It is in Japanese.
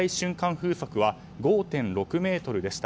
風速は５．６メートルでした。